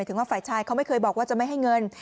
ถึงว่าฝ่ายชายเขาไม่เคยบอกว่าจะไม่ให้เงิน